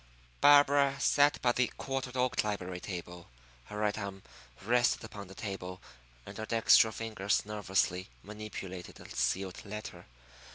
Barbara sat by the quartered oak library table. Her right arm rested upon the table, and her dextral fingers nervously manipulated a sealed letter.